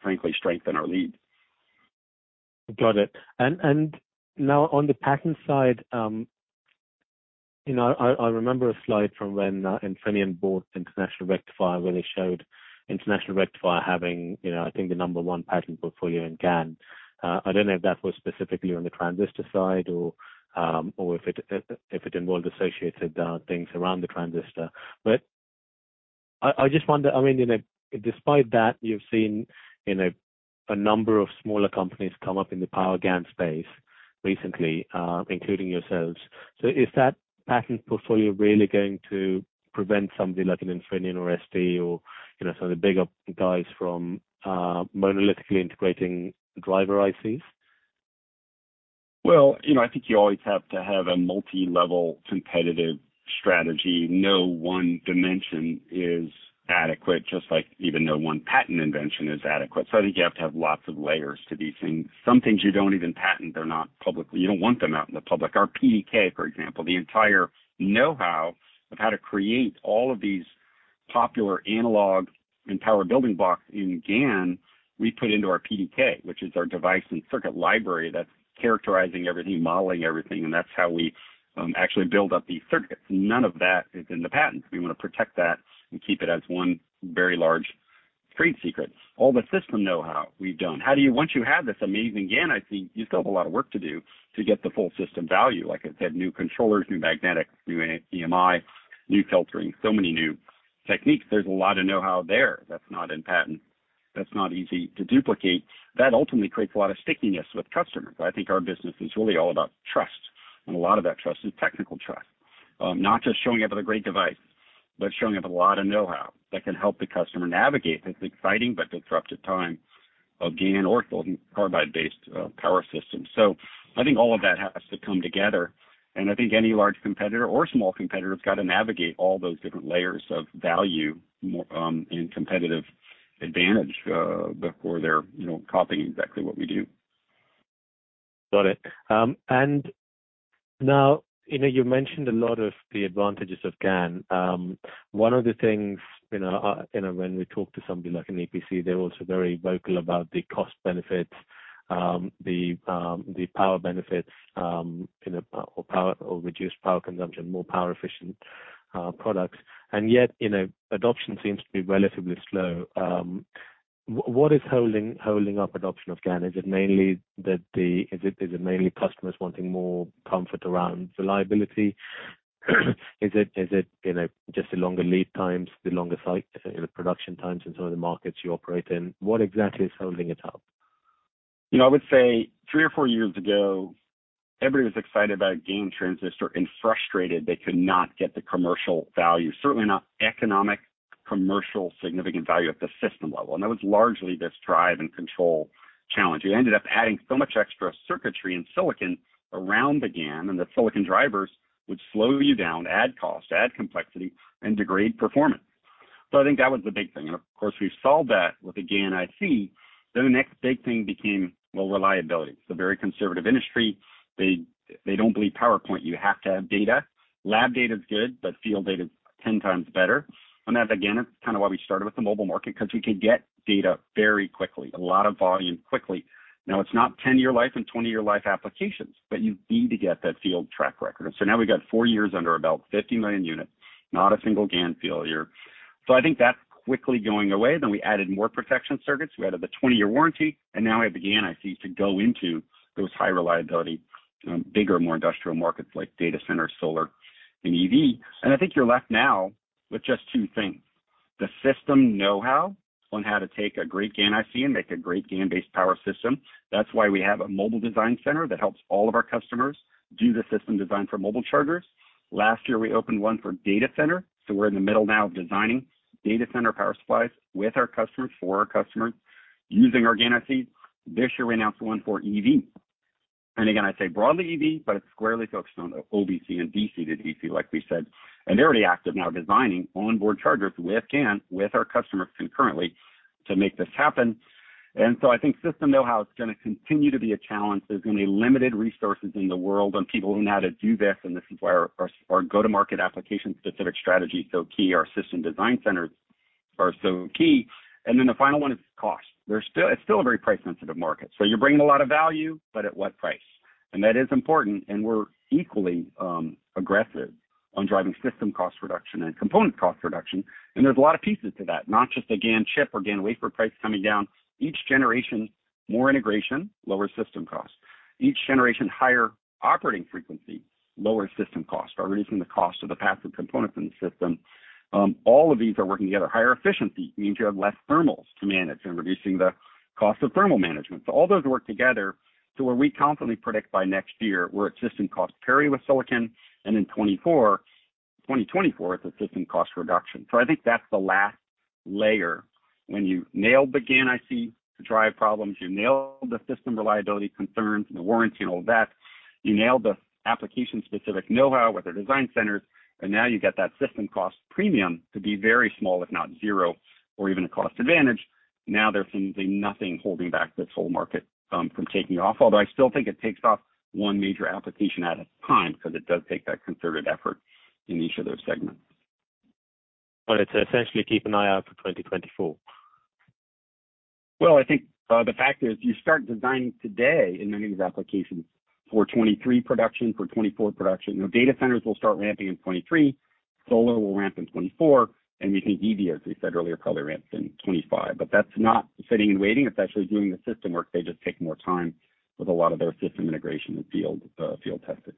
frankly strengthen our lead. Got it. Now on the patent side, you know, I remember a slide from when Infineon bought International Rectifier, where they showed International Rectifier having, you know, I think the number one patent portfolio in GaN. I don't know if that was specifically on the transistor side or if it involved associated things around the transistor. I just wonder, I mean, you know, despite that you've seen, you know, a number of smaller companies come up in the power GaN space recently, including yourselves. Is that patent portfolio really going to prevent somebody like an Infineon or ST or, you know, some of the bigger guys from monolithically integrating driver ICs? Well, I think you always have to have a multilevel competitive strategy. No one dimension is adequate, just like even no one patent invention is adequate. I think you have to have lots of layers to these things. Some things you don't even patent, they're not public. You don't want them out in the public. Our PDK, for example, the entire know-how of how to create all of these popular analog and power building blocks in GaN, we put into our PDK, which is our device and circuit library that's characterizing everything, modeling everything, and that's how we actually build up these circuits. None of that is in the patent. We want to protect that and keep it as one very large trade secret. All the system know-how we've done. How do you... Once you have this amazing GaN IC, you still have a lot of work to do to get the full system value. Like I said, new controllers, new magnetic, new EMI, new filtering, so many new techniques. There's a lot of know-how there that's not in patent, that's not easy to duplicate. That ultimately creates a lot of stickiness with customers. I think our business is really all about trust, and a lot of that trust is technical trust. Not just showing up with a great device, but showing up with a lot of know-how that can help the customer navigate this exciting but disruptive time of GaN or silicon carbide-based power systems. I think all of that has to come together, and I think any large competitor or small competitor has got to navigate all those different layers of value more in competitive advantage before they're, you know, copying exactly what we do. Got it. Now, you mentioned a lot of the advantages of GaN. One of the things, you know, when we talk to somebody like an EPC, they're also very vocal about the cost benefits, the power benefits, you know, or power or reduced power consumption, more power efficient products. Yet, adoption seems to be relatively slow. What is holding up adoption of GaN? Is it mainly customers wanting more comfort around reliability? Is it, just the longer lead times, the longer cycle, you know, production times in some of the markets you operate in? What exactly is holding it up? I would say three or four years ago, everybody was excited about GaN transistor and frustrated they could not get the commercial value, certainly not economic, commercial significant value at the system level. That was largely this drive and control challenge. You ended up adding so much extra circuitry and silicon around the GaN, and the silicon drivers would slow you down, add cost, add complexity, and degrade performance. I think that was the big thing. Of course, we solved that with the GaN IC. The next big thing became, well, reliability. It's a very conservative industry. They don't believe PowerPoint. You have to have data. Lab data is good, but field data is ten times better. On that, again, it's kind of why we started with the mobile market, 'cause we could get data very quickly, a lot of volume quickly. Now, it's not 10-year life and 20-year life applications, but you need to get that field track record. Now we've got 4 years under about 50 million units, not a single GaN failure. I think that's quickly going away. We added more protection circuits. We added the 20-year warranty, and now we have the GaN IC to go into those high reliability, bigger, more industrial markets like data center, solar, and EV. I think you're left now with just 2 things. The system know-how on how to take a great GaN IC and make a great GaN-based power system. That's why we have a mobile design center that helps all of our customers do the system design for mobile chargers. Last year, we opened one for data center, so we're in the middle now of designing data center power supplies with our customers, for our customers, using our GaN IC. This year, we announced one for EV. Again, I say broadly EV, but it's squarely focused on the OBC and DC-to-DC, like we said. They're already active now designing onboard chargers with GaN, with our customers concurrently to make this happen. I think system know-how is gonna continue to be a challenge. There's gonna be limited resources in the world on people who know how to do this, and this is why our go-to-market application-specific strategy is so key. Our system design centers are so key. The final one is cost. It's still a very price-sensitive market. You're bringing a lot of value, but at what price? That is important, and we're equally aggressive on driving system cost reduction and component cost reduction. There's a lot of pieces to that, not just the GaN chip or GaN wafer price coming down. Each generation, more integration, lower system cost. Each generation, higher operating frequency, lower system cost. By reducing the cost of the passive components in the system, all of these are working together. Higher efficiency means you have less thermals to manage and reducing the cost of thermal management. All those work together to where we confidently predict by next year, we're at system cost parity with silicon, and in 2024, it's a system cost reduction. I think that's the last layer. When you nail the GaN IC to drive problems, you nail the system reliability concerns and the warranty and all that, you nail the application-specific know-how with the design centers, and now you get that system cost premium to be very small, if not zero, or even a cost advantage. Now there seems to be nothing holding back this whole market from taking off. Although I still think it takes off one major application at a time, because it does take that concerted effort in each of those segments. To essentially keep an eye out for 2024. Well, I think, the fact is you start designing today in many of these applications for 2023 production, for 2024 production. Data centers will start ramping in 2023, solar will ramp in 2024, and we think EV, as we said earlier, probably ramps in 2025. That's not sitting and waiting. It's actually doing the system work. They just take more time with a lot of their system integration and field testing.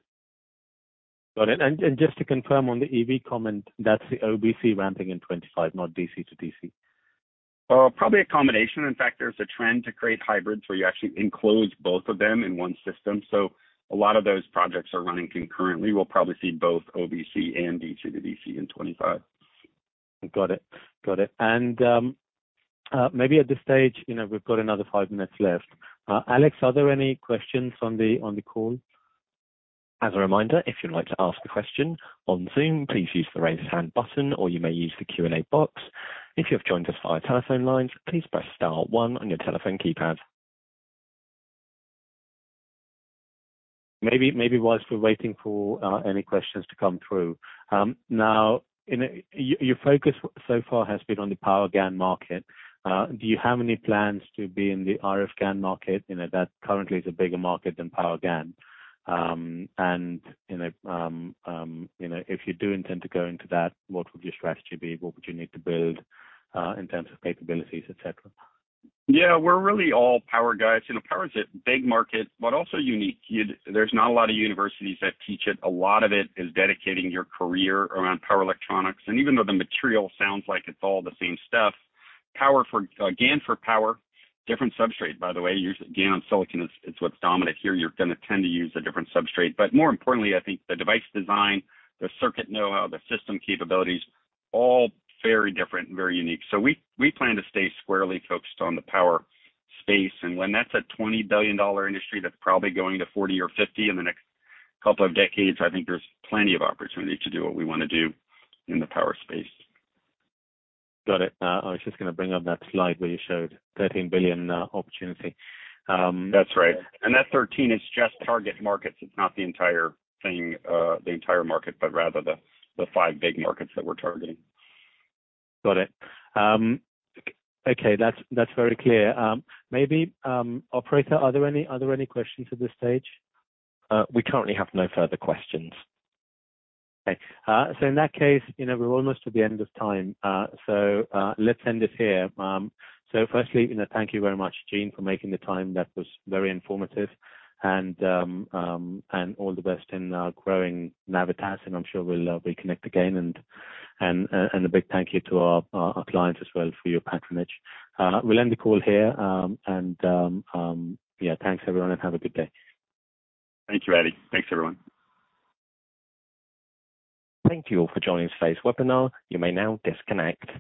Got it. Just to confirm on the EV comment, that's the OBC ramping in 2025, not DC-to-DC. Probably a combination. In fact, there's a trend to create hybrids where you actually enclose both of them in one system. A lot of those projects are running concurrently. We'll probably see both OBC and DC-to-DC in 2025. Got it. Maybe at this stage, we've got another 5 minutes left. Alex, are there any questions on the call? As a reminder, if you'd like to ask a question on Zoom, please use the Raise Hand button or you may use the Q&A box. If you have joined us via telephone lines, please press star one on your telephone keypad. Maybe while we're waiting for any questions to come through. Now, your focus so far has been on the Power GaN market. Do you have any plans to be in the RF GaN market? You know, that currently is a bigger market than Power GaN. If you do intend to go into that, what would your strategy be? What would you need to build in terms of capabilities, et cetera? Yeah. We're really all power guys. You know, power is a big market, but also unique. There's not a lot of universities that teach it. A lot of it is dedicating your career around power electronics. Even though the material sounds like it's all the same stuff, power for GaN for power, different substrate, by the way. Usually GaN on silicon is what's dominant here. You're gonna tend to use a different substrate. More importantly, I think the device design, the circuit know-how, the system capabilities, all very different and very unique. We plan to stay squarely focused on the power space. When that's a $20 billion industry that's probably going to $40 billion or $50 billion in the next couple of decades, I think there's plenty of opportunity to do what we wanna do in the power space. Got it. I was just gonna bring up that slide where you showed $13 billion opportunity. That's right. That 13 is just target markets. It's not the entire thing, the entire market, but rather the five big markets that we're targeting. Got it. Okay, that's very clear. Maybe, operator, are there any questions at this stage? We currently have no further questions. Okay. In that case, we're almost at the end of time. Let's end it here. Firstly, you know, thank you very much, Gene, for making the time. That was very informative. All the best in growing Navitas. I'm sure we'll reconnect again. A big thank you to our clients as well for your patronage. We'll end the call here. Yeah, thanks everyone, and have a good day. Thank you, Adi. Thanks, everyone. Thank you all for joining today's webinar. You may now disconnect.